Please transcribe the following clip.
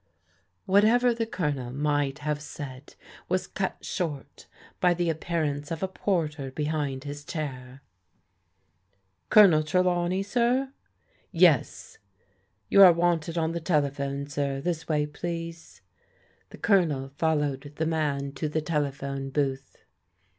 Whatever the Colonel might have said was cut short by the appearance of a porter behind his chair. "Colonel Trelawney, sir?" " Yes." "You are wanted on the telephone, sir. This way, please." The Colonel followed the man to the telephone booth.